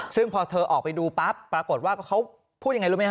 ซึ่งพอเธอออกไปดูปั๊บปรากฏว่าเขาพูดยังไงรู้ไหมฮ